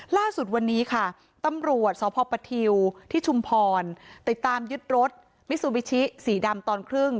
ล่าสุดวันนี้ค่ะตำรวจสพปทิวที่ชุมพรติดตามยึดรถมิซูบิชิสีดำตอนครึ่ง